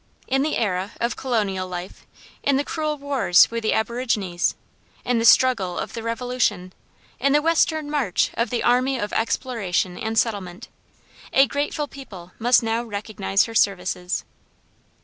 In the era of colonial life; in the cruel wars with the aborigines; in the struggle of the Revolution; in the western march of the army of exploration and settlement, a grateful people must now recognize her services.